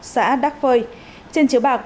xã đắk phơi